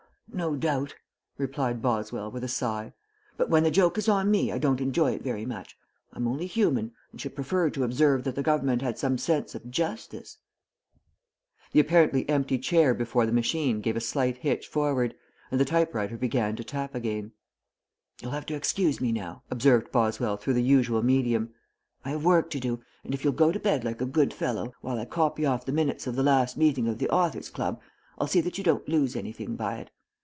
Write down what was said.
"No doubt," replied Boswell, with a sigh; "but when the joke is on me I don't enjoy it very much. I'm only human, and should prefer to observe that the government had some sense of justice." The apparently empty chair before the machine gave a slight hitch forward, and the type writer began to tap again. "You'll have to excuse me now," observed Boswell through the usual medium. "I have work to do, and if you'll go to bed like a good fellow, while I copy off the minutes of the last meeting of the Authors' Club, I'll see that you don't lose anything by it.